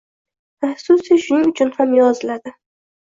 Konstitutsiya shuning uchun ham yoziladi: